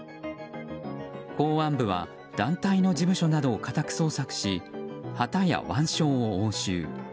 公安部は団体の事務所などを家宅捜索し旗や腕章を押収。